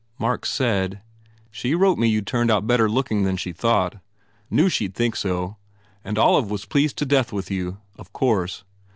Mark said, "She wrote me you d turned out better looking than she thought. Knew she d think so. And Olive was pleased to death with you, of course.